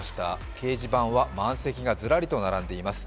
掲示板は満席がずらりと並んでいます。